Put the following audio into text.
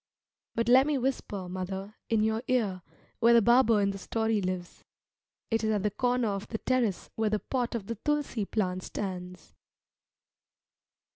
But let me whisper, mother, in your ear where the barber in the story lives. It is at the corner of the terrace where the pot of the tulsi plant stands.